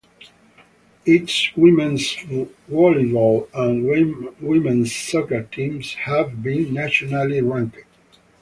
Its women's volleyball and women's soccer teams have been nationally-ranked.